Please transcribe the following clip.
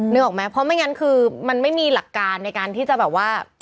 นึกออกไหมเพราะไม่งั้นคือมันไม่มีหลักการในการที่จะแบบว่า